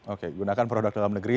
oke gunakan produk dalam negeri